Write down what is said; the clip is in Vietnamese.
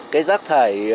cái rác thải